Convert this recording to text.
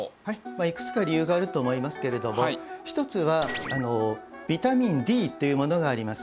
いくつか理由があると思いますけれども１つはビタミンＤというものがあります。